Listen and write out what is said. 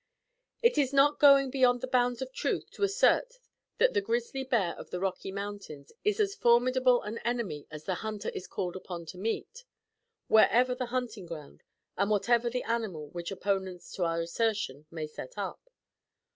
It is not going beyond the bounds of truth to assert that the grizzly bear of the Rocky Mountains is as formidable an enemy as the hunter is called upon to meet, wherever the hunting ground and whatever the animal which opponents to our assertion may set up.